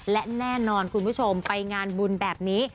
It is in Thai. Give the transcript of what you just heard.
และแน่นอนคุณผู้ชมไปงานบุญแบบนี้